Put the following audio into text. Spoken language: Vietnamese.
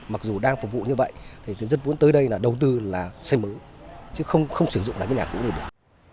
mặc dù đang phục vụ như vậy thì tôi rất muốn tới đây đầu tư là xây mới chứ không sử dụng như nhà cũ này được